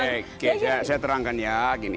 oke saya terangkan ya